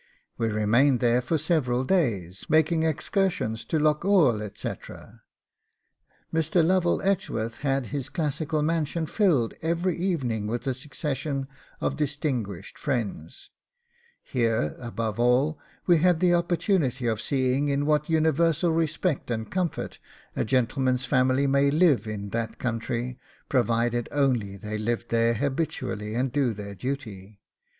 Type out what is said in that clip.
'We remained there for several days, making excursions to Loch Oel, etc. Mr. Lovell Edgeworth had his classical mansion filled every evening with a succession of distinguished friends. Here, above all, we had the opportunity of seeing in what universal respect and comfort a gentleman's family may live in that country, provided only they live there habitually and do their duty.